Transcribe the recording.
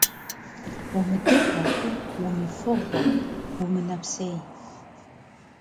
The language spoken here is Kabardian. Умыдыгъуэ, умыфыгъуэ, умынэпсей.